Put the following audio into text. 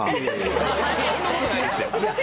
そんなことないですよ。